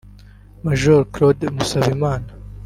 Maj Claude Musabimana